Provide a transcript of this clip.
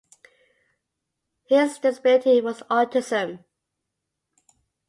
His disability was autism.